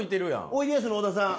おいでやすの小田さん。